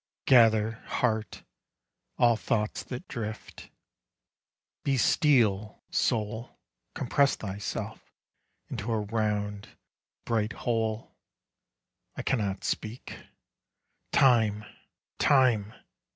Gather, heart, all thoughts that drift; Be steel, soul, Compress thyself Into a round, bright whole. I cannot speak. Time. Time!